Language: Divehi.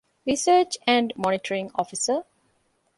ރިސަރޗް އެންޑް މޮނިޓަރިންގ އޮފިސަރ